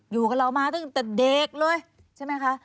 อยู่กับเรามาตั้งแต่เด็กเลยใช่ไหมคะ